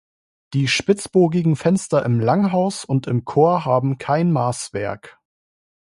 Die spitzbogigen Fenster im Langhaus und im Chor haben kein Maßwerk.